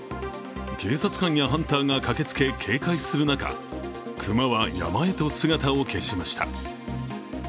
警察官やハンターが駆けつけ警戒する中、熊は山へと姿を消しました。